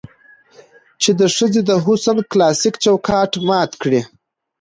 چې د ښځې د حسن کلاسيک چوکاټ مات کړي